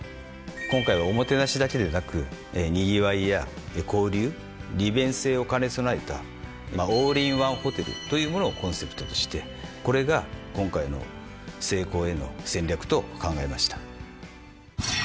今回はおもてなしだけでなくにぎわいや交流利便性を兼ね備えた「オールインワンホテル」というものをコンセプトとしてこれが今回の成功への戦略と考えました。